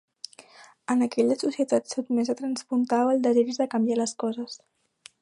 En aquella societat sotmesa traspuntava el desig de canviar les coses.